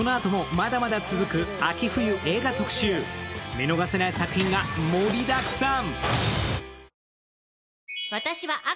見逃せない作品が盛りだくさん！